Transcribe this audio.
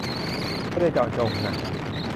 ไม่ได้เจาะจงน่ะ